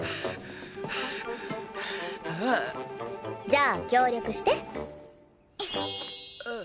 じゃあ協力して？